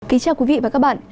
kính chào quý vị và các bạn